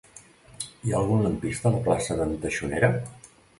Hi ha algun lampista a la plaça d'en Taxonera?